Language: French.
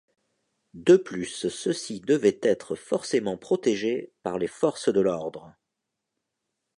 De plus ceux-ci devaient être forcément protégés par les forces de l'ordre.